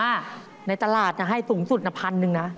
ค่ะในตลาดจะให้สูงสุดหน้าพันหนึ่งนะ